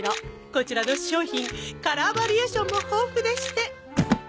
こちらの商品カラーバリエーションも豊富でして。